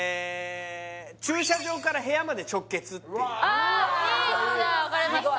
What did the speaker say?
駐車場から部屋まで直結っていううわ